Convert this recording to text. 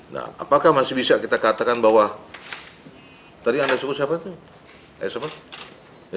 nah apakah masih bisa kita katakan bahwa tadi anda sebut siapa itu